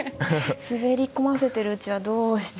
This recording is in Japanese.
滑り込ませてるうちはどうして。